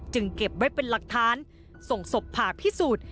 เก็บไว้เป็นหลักฐานส่งศพผ่าพิสูจน์